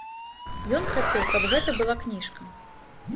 Ён хацеў, каб гэта была кніжка.